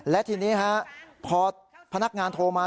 และทีนี้พอพนักงานโทรมา